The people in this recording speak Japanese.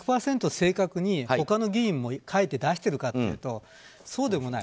正確に他の議員も出しているかというとそうでもない。